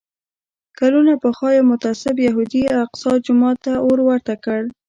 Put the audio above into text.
کلونه پخوا یو متعصب یهودي الاقصی جومات ته اور ورته کړ.